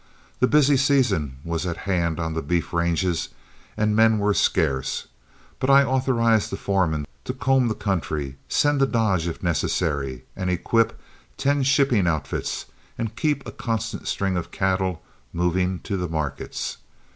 The busy season was at hand on the beef ranges, and men were scarce; but I authorized the foreman to comb the country, send to Dodge if necessary, and equip ten shipping outfits and keep a constant string of cattle moving to the markets.